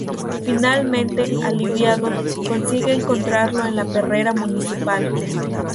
Finalmente, aliviado, consigue encontrarlo en la perrera municipal.